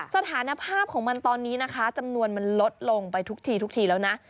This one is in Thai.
สถานภาพของมันตอนนี้นะคะจำนวนมันลดลงไปทุกทีทุกทีแล้วนะ